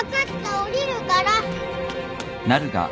下りるから！